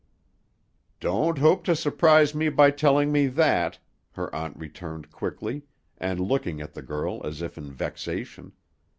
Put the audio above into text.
"Don't hope to surprise me by telling me that," her aunt returned quickly, and looking at the girl as if in vexation.